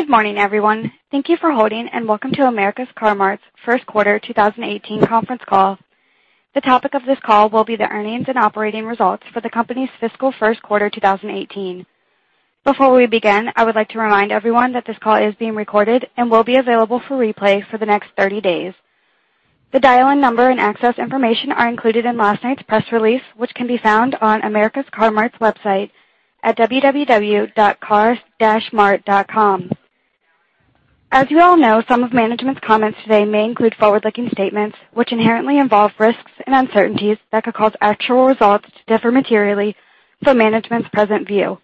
Good morning, everyone. Thank you for holding, and welcome to America's Car-Mart's first quarter 2018 conference call. The topic of this call will be the earnings and operating results for the company's fiscal first quarter 2018. Before we begin, I would like to remind everyone that this call is being recorded and will be available for replay for the next 30 days. The dial-in number and access information are included in last night's press release, which can be found on America's Car-Mart's website at www.car-mart.com. As you all know, some of management's comments today may include forward-looking statements, which inherently involve risks and uncertainties that could cause actual results to differ materially from management's present view.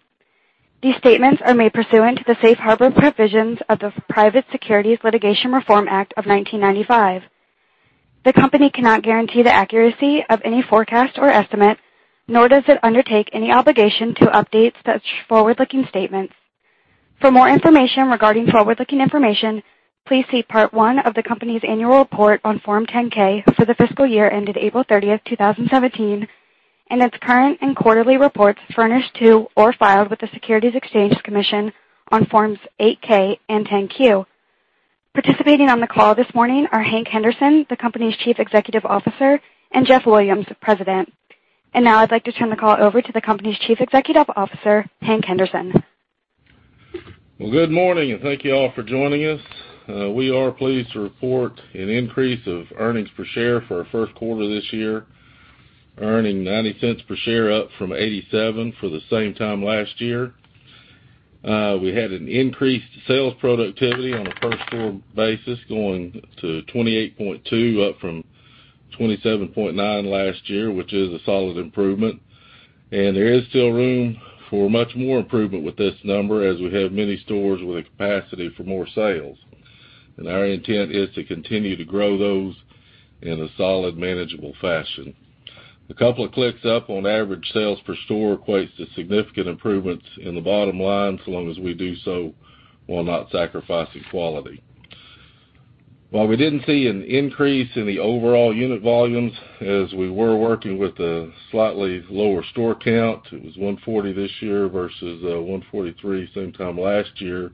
These statements are made pursuant to the safe harbor provisions of the Private Securities Litigation Reform Act of 1995. The company cannot guarantee the accuracy of any forecast or estimate, nor does it undertake any obligation to update such forward-looking statements. For more information regarding forward-looking information, please see Part one of the company's annual report on Form 10-K for the fiscal year ended April 30th, 2017, and its current and quarterly reports furnished to or filed with the Securities and Exchange Commission on Forms 8-K and 10-Q. Participating on the call this morning are Hank Henderson, the company's Chief Executive Officer, and Jeff Williams, the President. Now I'd like to turn the call over to the company's Chief Executive Officer, Hank Henderson. Well, good morning, and thank you all for joining us. We are pleased to report an increase of earnings per share for our first quarter this year, earning $0.90 per share up from $0.87 for the same time last year. We had an increased sales productivity on a per store basis going to 28.2, up from 27.9 last year, which is a solid improvement. There is still room for much more improvement with this number as we have many stores with a capacity for more sales. Our intent is to continue to grow those in a solid, manageable fashion. A couple of clicks up on average sales per store equates to significant improvements in the bottom line so long as we do so while not sacrificing quality. While we didn't see an increase in the overall unit volumes, as we were working with a slightly lower store count, it was 140 this year versus 143 same time last year.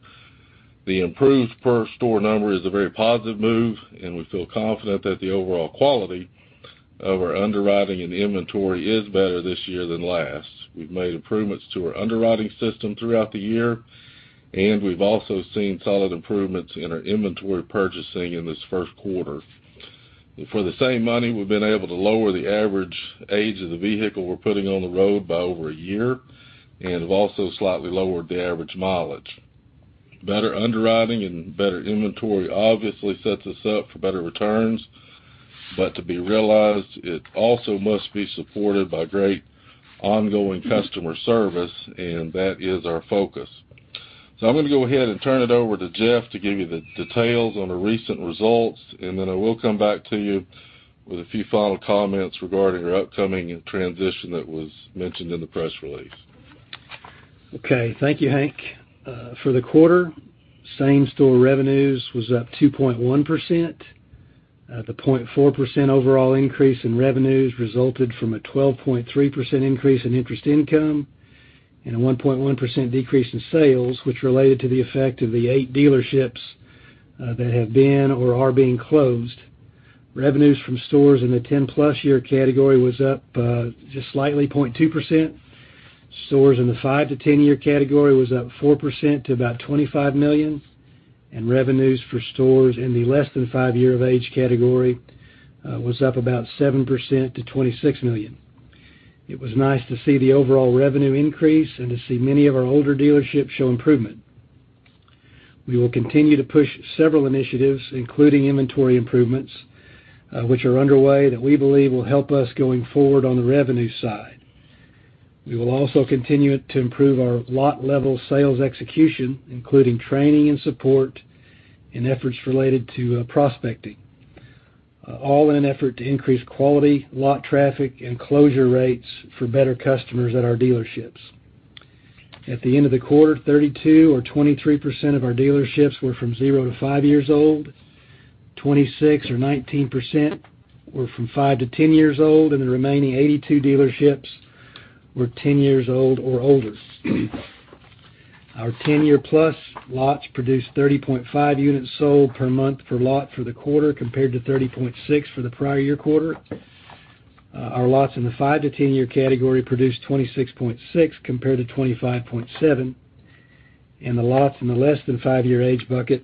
The improved per store number is a very positive move, and we feel confident that the overall quality of our underwriting and inventory is better this year than last. We've made improvements to our underwriting system throughout the year, and we've also seen solid improvements in our inventory purchasing in this first quarter. For the same money, we've been able to lower the average age of the vehicle we're putting on the road by over a year and have also slightly lowered the average mileage. Better underwriting and better inventory obviously sets us up for better returns. To be realized, it also must be supported by great ongoing customer service, and that is our focus. I'm going to go ahead and turn it over to Jeff to give you the details on the recent results, then I will come back to you with a few final comments regarding our upcoming transition that was mentioned in the press release. Okay. Thank you, Hank. For the quarter, same store revenues was up 2.1%. The 0.4% overall increase in revenues resulted from a 12.3% increase in interest income and a 1.1% decrease in sales, which related to the effect of the eight dealerships that have been or are being closed. Revenues from stores in the 10-plus year category was up just slightly, 0.2%. Stores in the 5-to-10-year category was up 4% to about $25 million, revenues for stores in the less than 5 year of age category was up about 7% to $26 million. It was nice to see the overall revenue increase and to see many of our older dealerships show improvement. We will continue to push several initiatives, including inventory improvements, which are underway that we believe will help us going forward on the revenue side. We will also continue to improve our lot level sales execution, including training and support and efforts related to prospecting, all in an effort to increase quality, lot traffic, and closure rates for better customers at our dealerships. At the end of the quarter, 32 or 23% of our dealerships were from 0 to 5 years old, 26 or 19% were from 5 to 10 years old, and the remaining 82 dealerships were 10 years old or older. Our 10-year-plus lots produced 30.5 units sold per month per lot for the quarter, compared to 30.6 for the prior year quarter. Our lots in the 5-to-10-year category produced 26.6 compared to 25.7, and the lots in the less than 5-year age bucket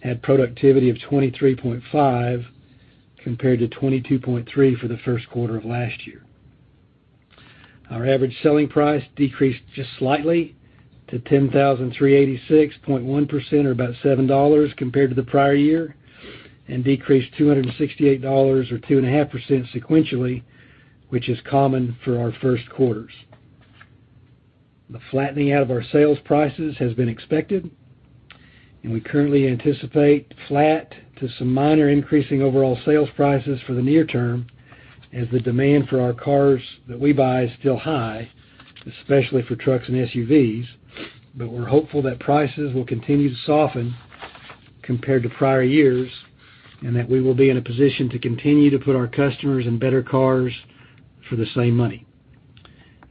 had productivity of 23.5 compared to 22.3 for the first quarter of last year. Our average selling price decreased just slightly to $10,386.1, or about $7 compared to the prior year, and decreased $268 or 2.5% sequentially, which is common for our first quarters. The flattening out of our sales prices has been expected, we currently anticipate flat to some minor increasing overall sales prices for the near term as the demand for our cars that we buy is still high, especially for trucks and SUVs. We're hopeful that prices will continue to soften compared to prior years and that we will be in a position to continue to put our customers in better cars for the same money.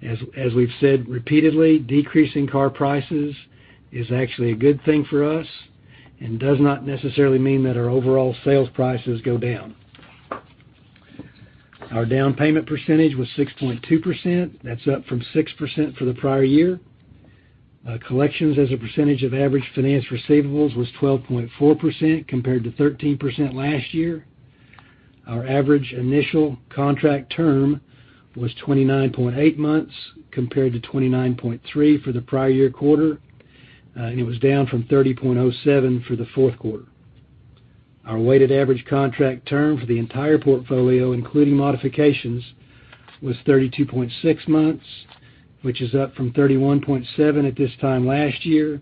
As we've said repeatedly, decreasing car prices is actually a good thing for us and does not necessarily mean that our overall sales prices go down. Our down payment percentage was 6.2%. That's up from 6% for the prior year. Collections as a percentage of average finance receivables was 12.4%, compared to 13% last year. Our average initial contract term was 29.8 months, compared to 29.3 for the prior year quarter. It was down from 30.07 for the fourth quarter. Our weighted average contract term for the entire portfolio, including modifications, was 32.6 months, which is up from 31.7 at this time last year.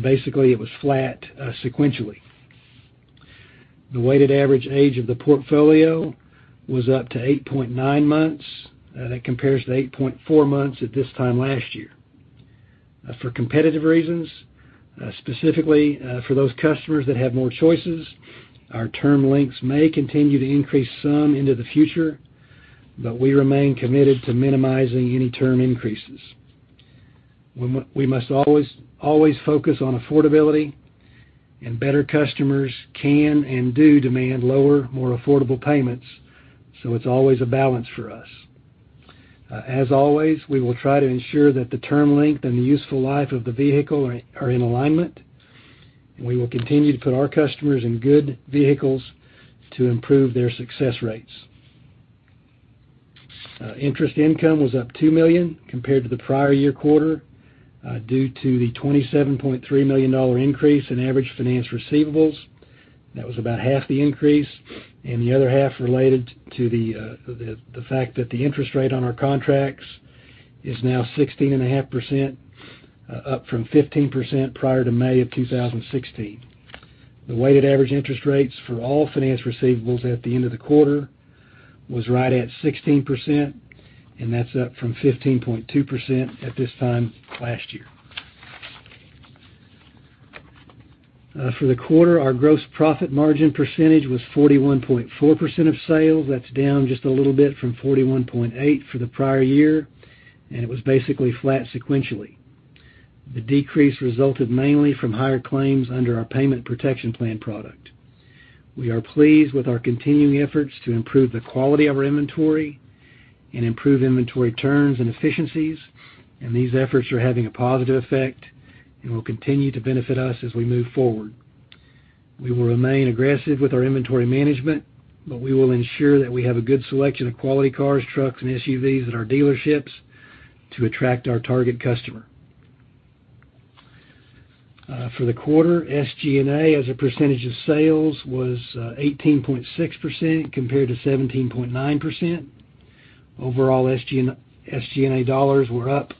Basically, it was flat sequentially. The weighted average age of the portfolio was up to 8.9 months. That compares to 8.4 months at this time last year. For competitive reasons, specifically for those customers that have more choices, our term lengths may continue to increase some into the future, but we remain committed to minimizing any term increases. We must always focus on affordability, and better customers can and do demand lower, more affordable payments, so it's always a balance for us. As always, we will try to ensure that the term length and the useful life of the vehicle are in alignment, and we will continue to put our customers in good vehicles to improve their success rates. Interest income was up $2 million compared to the prior year quarter, due to the $27.3 million increase in average finance receivables. That was about half the increase, the other half related to the fact that the interest rate on our contracts is now 16.5%, up from 15% prior to May of 2016. The weighted average interest rates for all finance receivables at the end of the quarter was right at 16%, that's up from 15.2% at this time last year. For the quarter, our gross profit margin percentage was 41.4% of sales. That's down just a little bit from 41.8% for the prior year, it was basically flat sequentially. The decrease resulted mainly from higher claims under our Accident Protection Plan product. We are pleased with our continuing efforts to improve the quality of our inventory and improve inventory turns and efficiencies, these efforts are having a positive effect and will continue to benefit us as we move forward. We will remain aggressive with our inventory management, we will ensure that we have a good selection of quality cars, trucks, and SUVs at our dealerships to attract our target customer. For the quarter, SG&A as a percentage of sales was 18.6%, compared to 17.9%. Overall, SG&A dollars were up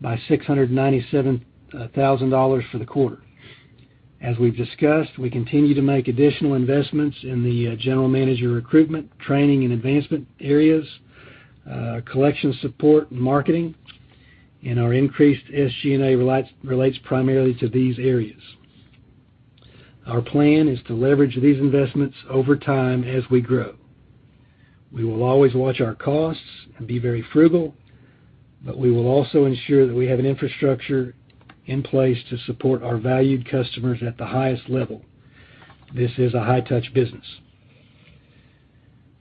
by $697,000 for the quarter. As we've discussed, we continue to make additional investments in the general manager recruitment, training, and advancement areas, collection support, and marketing, our increased SG&A relates primarily to these areas. Our plan is to leverage these investments over time as we grow. We will always watch our costs and be very frugal, we will also ensure that we have an infrastructure in place to support our valued customers at the highest level. This is a high-touch business.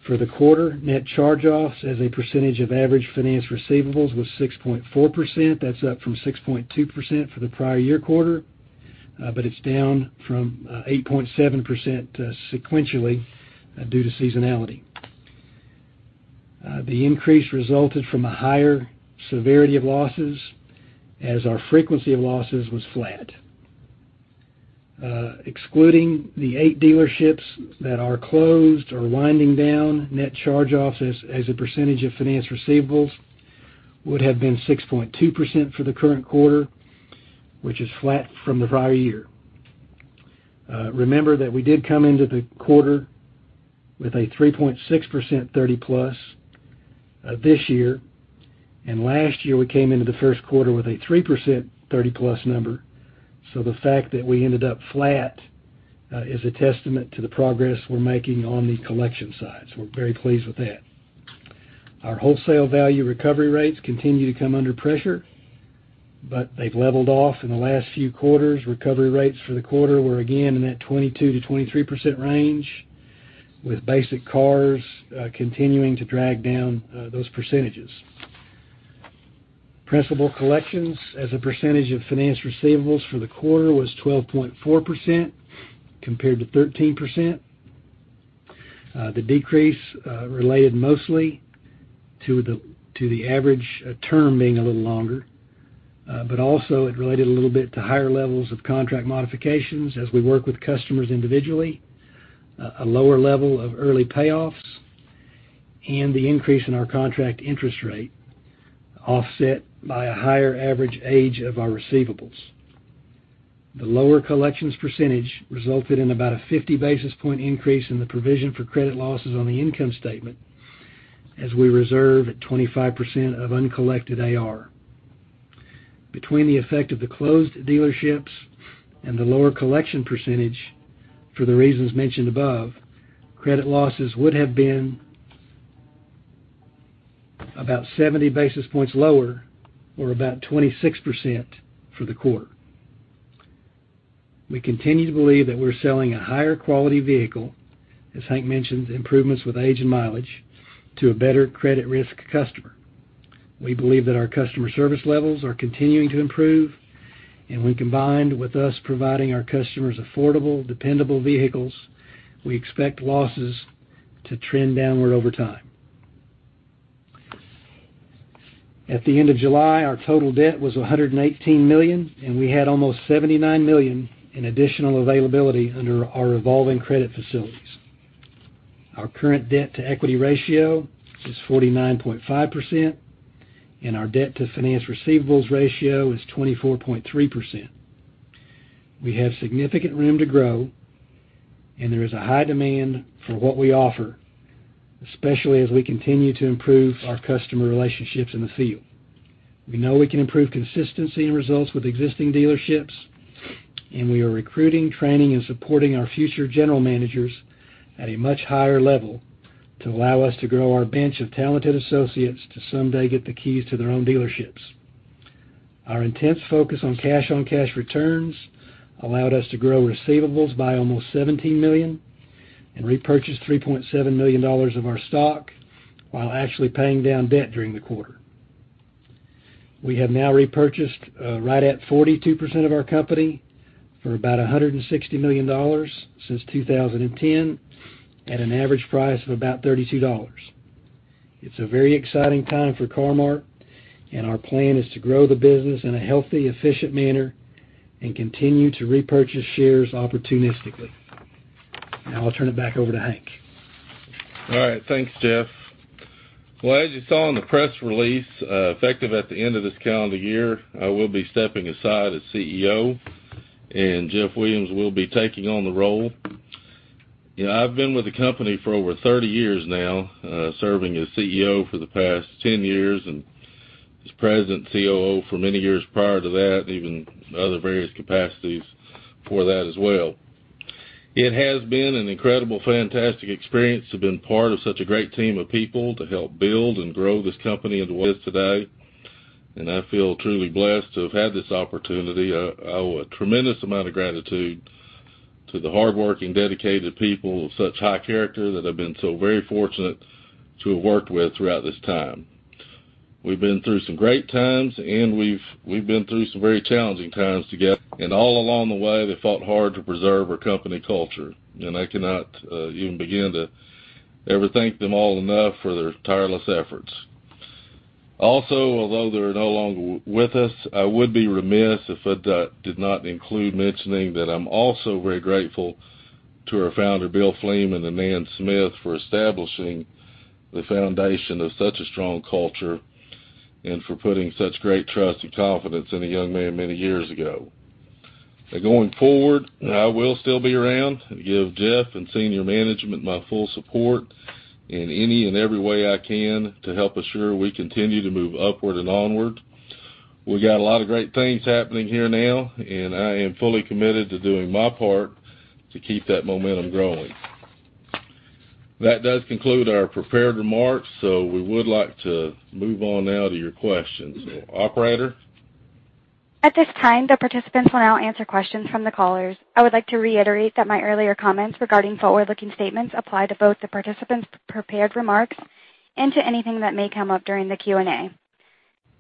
For the quarter, net charge-offs as a percentage of average finance receivables was 6.4%. That's up from 6.2% for the prior year quarter, but it's down from 8.7% sequentially due to seasonality. The increase resulted from a higher severity of losses, as our frequency of losses was flat. Excluding the eight dealerships that are closed or winding down, net charge-offs as a percentage of finance receivables would have been 6.2% for the current quarter, which is flat from the prior year. Remember that we did come into the quarter with a 3.6% 30 plus this year, and last year, we came into the first quarter with a 3% 30 plus number. The fact that we ended up flat is a testament to the progress we're making on the collection side. We're very pleased with that. Our wholesale value recovery rates continue to come under pressure, but they've leveled off in the last few quarters. Recovery rates for the quarter were again in that 22%-23% range, with basic cars continuing to drag down those percentages. Principal collections as a percentage of finance receivables for the quarter was 12.4%, compared to 13%. The decrease related mostly to the average term being a little longer. Also, it related a little bit to higher levels of contract modifications as we work with customers individually, a lower level of early payoffs, and the increase in our contract interest rate offset by a higher average age of our receivables. The lower collections percentage resulted in about a 50-basis-point increase in the provision for credit losses on the income statement, as we reserve at 25% of uncollected AR. Between the effect of the closed dealerships and the lower collection percentage for the reasons mentioned above, credit losses would have been about 70 basis points lower, or about 26%, for the quarter. We continue to believe that we're selling a higher quality vehicle, as Hank mentioned, improvements with age and mileage, to a better credit risk customer. We believe that our customer service levels are continuing to improve, and when combined with us providing our customers affordable, dependable vehicles, we expect losses to trend downward over time. At the end of July, our total debt was $118 million, and we had almost $79 million in additional availability under our revolving credit facilities. Our current debt-to-equity ratio is 49.5%, and our debt to finance receivables ratio is 24.3%. We have significant room to grow, and there is a high demand for what we offer, especially as we continue to improve our customer relationships in the field. We know we can improve consistency and results with existing dealerships, and we are recruiting, training, and supporting our future general managers at a much higher level to allow us to grow our bench of talented associates to someday get the keys to their own dealerships. Our intense focus on cash on cash returns allowed us to grow receivables by almost $17 million and repurchase $3.7 million of our stock while actually paying down debt during the quarter. We have now repurchased right at 42% of our company for about $160 million since 2010, at an average price of about $32. Our plan is to grow the business in a healthy, efficient manner and continue to repurchase shares opportunistically. Now, I'll turn it back over to Hank. All right. Thanks, Jeff. Well, as you saw in the press release, effective at the end of this calendar year, I will be stepping aside as CEO, Jeff Williams will be taking on the role. I've been with the company for over 30 years now, serving as CEO for the past 10 years and as President COO for many years prior to that, even other various capacities before that as well. It has been an incredible, fantastic experience to have been part of such a great team of people to help build and grow this company into what it is today. I feel truly blessed to have had this opportunity. I owe a tremendous amount of gratitude to the hardworking, dedicated people of such high character that I've been so very fortunate to have worked with throughout this time. We've been through some great times, we've been through some very challenging times together, all along the way, they fought hard to preserve our company culture. I cannot even begin to ever thank them all enough for their tireless efforts. Also, although they're no longer with us, I would be remiss if I did not include mentioning that I'm also very grateful to our founder, Bill Fleeman and Nan Smith, for establishing the foundation of such a strong culture and for putting such great trust and confidence in a young man many years ago. Going forward, I will still be around to give Jeff and senior management my full support in any and every way I can to help assure we continue to move upward and onward. We got a lot of great things happening here now, I am fully committed to doing my part to keep that momentum growing. That does conclude our prepared remarks, we would like to move on now to your questions. Operator? At this time, the participants will now answer questions from the callers. I would like to reiterate that my earlier comments regarding forward-looking statements apply to both the participants' prepared remarks and to anything that may come up during the Q&A.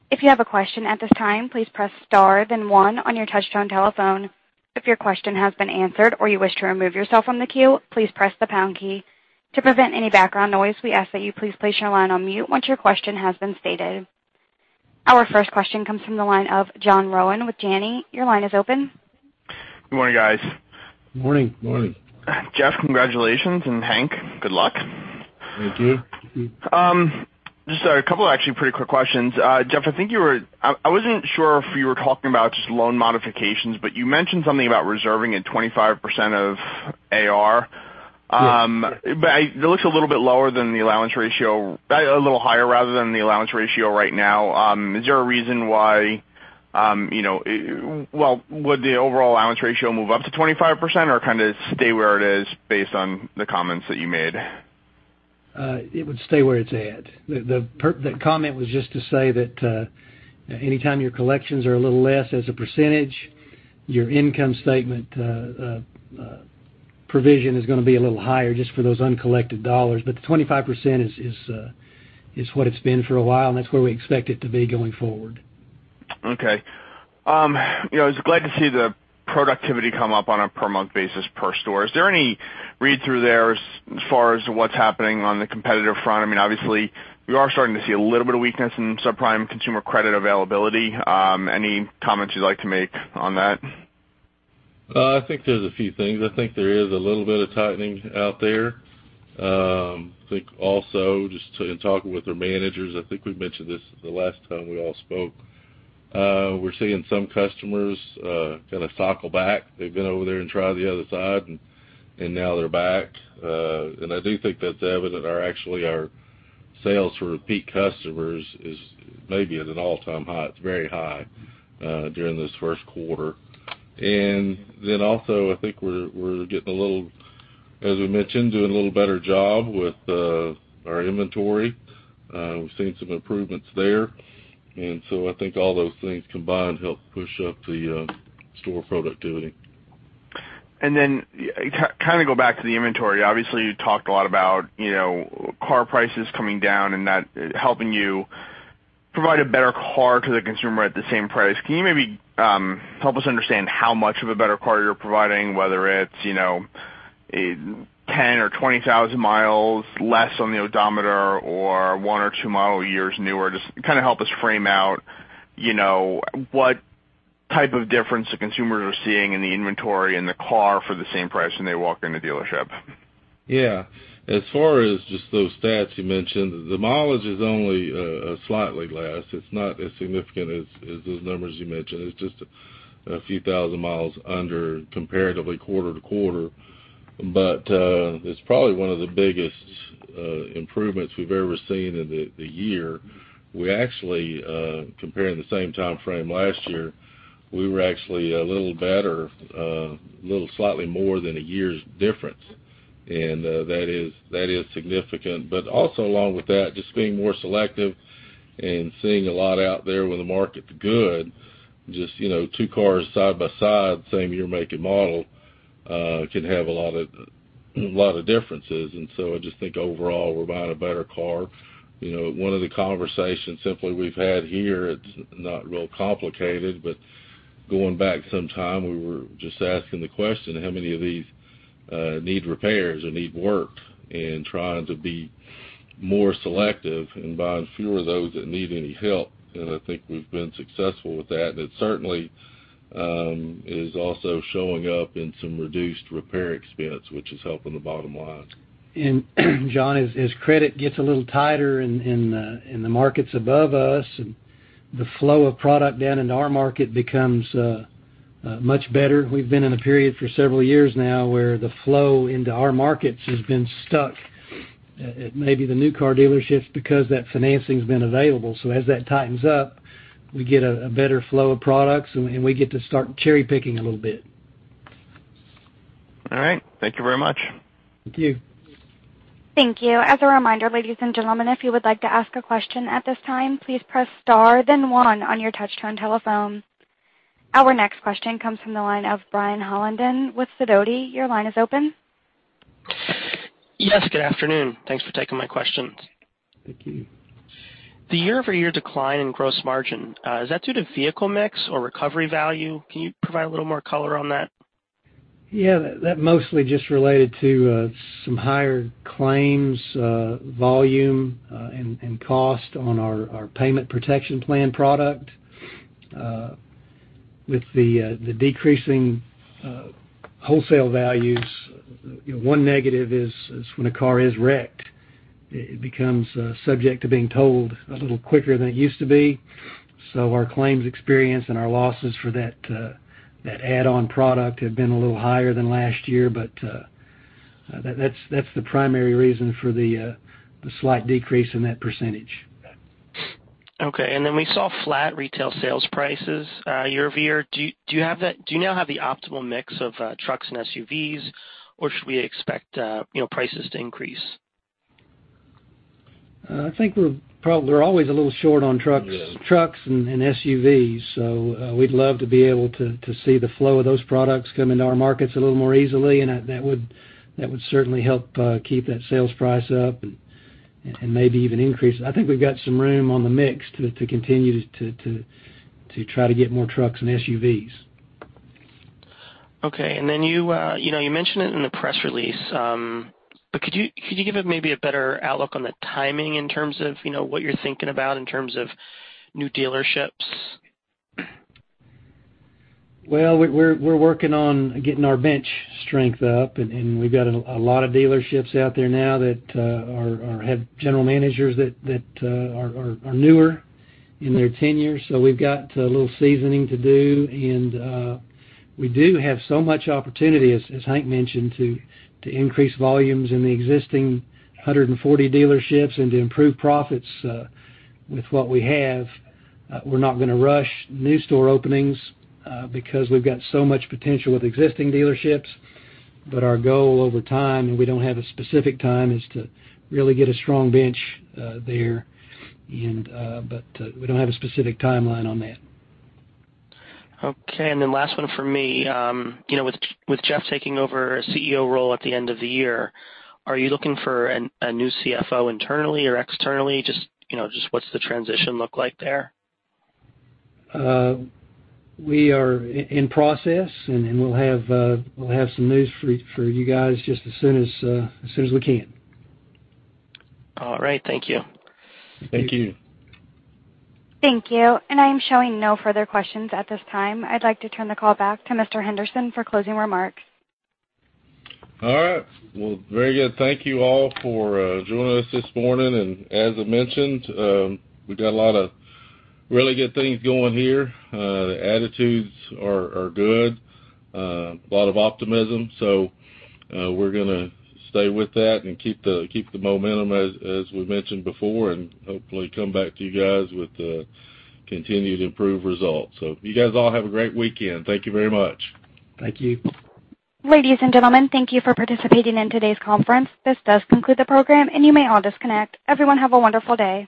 If you have a question at this time, please press star then one on your touch-tone telephone. If your question has been answered or you wish to remove yourself from the queue, please press the pound key. To prevent any background noise, we ask that you please place your line on mute once your question has been stated. Our first question comes from the line of John Rowan with Janney. Your line is open. Good morning, guys. Morning. Morning. Jeff, congratulations, and Hank, good luck. Thank you. Thank you. Just a couple actually pretty quick questions. Jeff, I wasn't sure if you were talking about just loan modifications, but you mentioned something about reserving at 25% of AR. Yes. It looks a little bit lower than the allowance ratio. A little higher rather than the allowance ratio right now. Is there a reason why? Well, would the overall allowance ratio move up to 25% or kind of stay where it is based on the comments that you made? It would stay where it's at. That comment was just to say that anytime your collections are a little less as a percentage, your income statement provision is going to be a little higher just for those uncollected dollars. The 25% is what it's been for a while, and that's where we expect it to be going forward. Okay. I was glad to see the productivity come up on a per month basis per store. Is there any read-through there as far as to what's happening on the competitive front? Obviously, we are starting to see a little bit of weakness in subprime consumer credit availability. Any comments you'd like to make on that? I think there's a few things. I think there is a little bit of tightening out there. I think also, just in talking with our managers, I think we've mentioned this the last time we all spoke, we're seeing some customers kind of cycle back. They've been over there and tried the other side, and now they're back. I do think that that was actually our Sales for repeat customers is maybe at an all-time high. It's very high during this First Quarter. Also, I think we're, as we mentioned, doing a little better job with our inventory. We've seen some improvements there. I think all those things combined help push up the store productivity. Go back to the inventory. Obviously, you talked a lot about car prices coming down and that helping you provide a better car to the consumer at the same price. Can you maybe help us understand how much of a better car you're providing, whether it's 10,000 or 20,000 miles less on the odometer, or one or two model years newer? Just help us frame out what type of difference the consumers are seeing in the inventory and the car for the same price when they walk in the dealership. Yeah. As far as just those stats you mentioned, the mileage is only slightly less. It's not as significant as those numbers you mentioned. It's just a few thousand miles under comparatively quarter-to-quarter. It's probably one of the biggest improvements we've ever seen in the year. We actually, comparing the same timeframe last year, we were actually a little better, a little slightly more than a year's difference. That is significant. Also along with that, just being more selective and seeing a lot out there when the market's good, just two cars side by side, same year, make, and model, can have a lot of differences. I just think overall, we're buying a better car. One of the conversations simply we've had here, it's not real complicated, but going back some time, we were just asking the question, how many of these need repairs or need work? Trying to be more selective and buying fewer of those that need any help. I think we've been successful with that. It certainly is also showing up in some reduced repair expense, which is helping the bottom line. John, as credit gets a little tighter in the markets above us, the flow of product down into our market becomes much better. We've been in a period for several years now where the flow into our markets has been stuck at maybe the new car dealerships because that financing's been available. As that tightens up, we get a better flow of products, and we get to start cherry-picking a little bit. All right. Thank you very much. Thank you. Thank you. As a reminder, ladies and gentlemen, if you would like to ask a question at this time, please press star then one on your touch-tone telephone. Our next question comes from the line of Brian Holland with Sidoti. Your line is open. Yes, good afternoon. Thanks for taking my questions. Thank you. The year-over-year decline in gross margin, is that due to vehicle mix or recovery value? Can you provide a little more color on that? Yeah, that mostly just related to some higher claims volume, and cost on our Accident Protection Plan product. With the decreasing wholesale values, one negative is when a car is wrecked, it becomes subject to being totaled a little quicker than it used to be. Our claims experience and our losses for that add-on product have been a little higher than last year, that's the primary reason for the slight decrease in that percentage. Okay. We saw flat retail sales prices year-over-year. Do you now have the optimal mix of trucks and SUVs, or should we expect prices to increase? I think we're always a little short on trucks and SUVs. We'd love to be able to see the flow of those products come into our markets a little more easily, and that would certainly help keep that sales price up and maybe even increase. I think we've got some room on the mix to continue to try to get more trucks and SUVs. Okay, you mentioned it in the press release, could you give maybe a better outlook on the timing in terms of what you're thinking about in terms of new dealerships? We're working on getting our bench strength up, we've got a lot of dealerships out there now that have general managers that are newer in their tenure. We've got a little seasoning to do, we do have so much opportunity, as Hank mentioned, to increase volumes in the existing 140 dealerships and to improve profits with what we have. We're not going to rush new store openings because we've got so much potential with existing dealerships. Our goal over time, and we don't have a specific time, is to really get a strong bench there. We don't have a specific timeline on that. Last one from me. With Jeff taking over a CEO role at the end of the year, are you looking for a new CFO internally or externally? Just what's the transition look like there? We are in process, we'll have some news for you guys just as soon as we can. All right. Thank you. Thank you. Thank you. I am showing no further questions at this time. I'd like to turn the call back to Mr. Henderson for closing remarks. All right. Well, very good. Thank you all for joining us this morning, and as I mentioned, we've got a lot of really good things going here. The attitudes are good. A lot of optimism. We're going to stay with that and keep the momentum as we mentioned before, and hopefully come back to you guys with continued improved results. You guys all have a great weekend. Thank you very much. Thank you. Ladies and gentlemen, thank you for participating in today's conference. This does conclude the program. You may all disconnect. Everyone, have a wonderful day.